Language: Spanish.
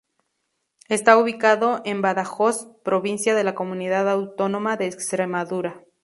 Está ubicado en Badajoz, provincia de la comunidad autónoma de Extremadura.